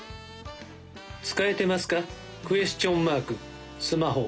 使えてますかクエスチョンマークスマホ。